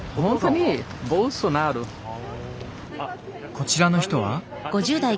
こちらの人は？